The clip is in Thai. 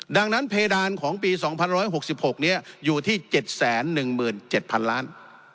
ดังนั้นเพดานของปี๒๑๖๖นี้อยู่ที่๗๑๗๐๐๐ล้าน